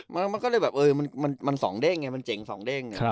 มันก็เลยแบบมันสองเด้งไงมันเจ๋งสองเด้ง